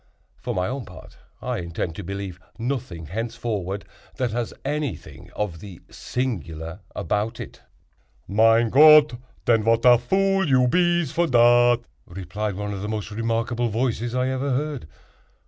For my own part, I intend to believe nothing henceforward that has anything of the 'singular' about it." "Mein Gott, den, vat a vool you bees for dat!" replied one of the most remarkable voices I ever heard.